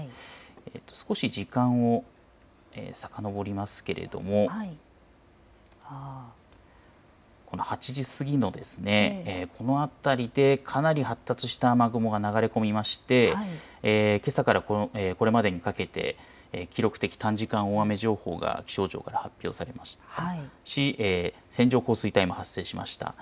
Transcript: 少し時間をさかのぼりますけれど８時過ぎのこの辺りでかなり発達した雨雲が流れ込みまして、けさからこれまでにかけて記録的短時間大雨情報が気象庁から発表されましたし線状降水帯も発生しました。